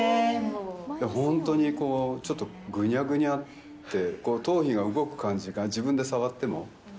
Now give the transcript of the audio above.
本当にこう、ちょっとぐにゃぐにゃって、頭皮が動く感じが、自分で触っても。